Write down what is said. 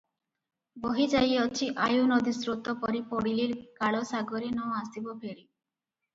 ବହିଯାଇଅଛି ଆୟୁ ନଦୀସ୍ରୋତ ପରି ପଡିଲେ କାଳ ସାଗରେ ନ ଆସିବ ଫେରି ।